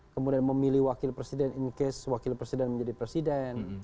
kemudian memilih wakil presiden in case wakil presiden menjadi presiden